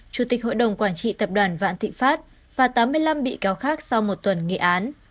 chủ tịch hội đồng quản trị tập đoàn vạn thị pháp và tám mươi năm bị cáo khác sau một tuần nghị án